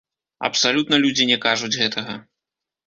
Абсалютна людзі не кажуць гэтага.